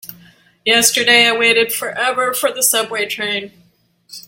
Yesterday I waited forever for the subway train.